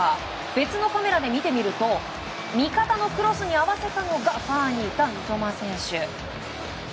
別のカメラで見てみると味方のクロスに合わせたのがファーにいた三笘選手。